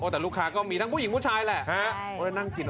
แต่ลูกค้าก็มีทั้งผู้หญิงผู้ชายแหละ